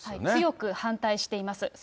強く反対しています。